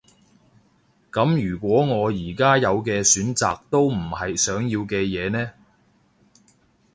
噉如果我而家有嘅選擇都唔係想要嘅嘢呢？